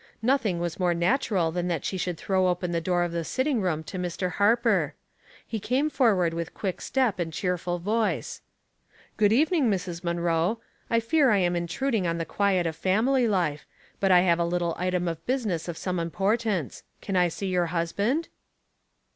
NothiuGT was more nat* ural than that she should throw open the door of the sitting room to Mr. Harper. He came forward with quick step and cheerful voice. " Good evening, Mrs. Munroe. I fear I am intruding on the quiet of family life ; but I have a little item of business of some importance. Can I see your husband